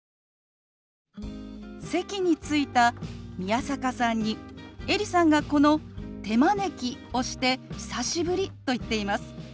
席に着いた宮坂さんにエリさんがこの「手招き」をして「久しぶり」と言っています。